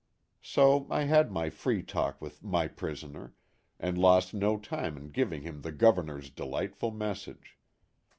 So I had my free talk with " my prisoner," and lost no time in giving him the Governor's delightful message.